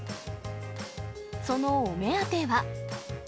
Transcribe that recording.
そのお目当ては。